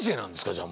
じゃあ。